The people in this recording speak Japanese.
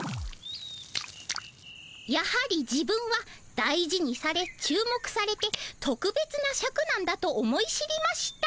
「やはり自分は大事にされ注目されてとくべつなシャクなんだと思い知りました。